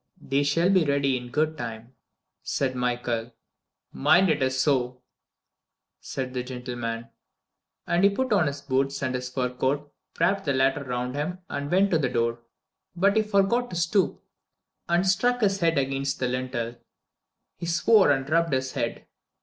"They shall be ready in good time," said Michael. "Mind it is so," said the gentleman, and he put on his boots and his fur coat, wrapped the latter round him, and went to the door. But he forgot to stoop, and struck his head against the lintel. He swore and rubbed his head.